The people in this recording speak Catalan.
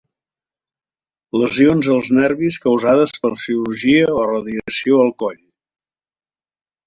Lesions als nervis causades per cirurgia o radiació al coll.